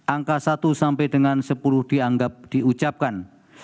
angka satu sampai dengan sepuluh dianggap diucapkan